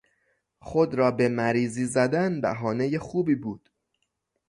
خود را به مریضی زدن بهانهی خوبی بود.